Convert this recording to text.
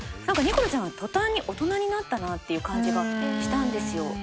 何かニコルちゃん途端に大人になったなっていう感じがしたんですよ。